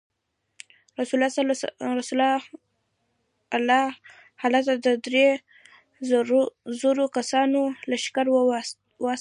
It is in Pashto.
رسول الله هلته د درې زرو کسانو لښکر واستاوه.